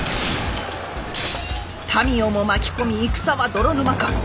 民をも巻き込み戦は泥沼化。